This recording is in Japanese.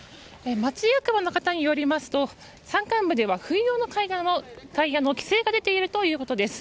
町役場の方によりますと山間部では、冬用タイヤの規制が出ているということです。